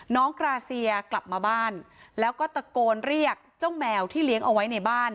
กราเซียกลับมาบ้านแล้วก็ตะโกนเรียกเจ้าแมวที่เลี้ยงเอาไว้ในบ้าน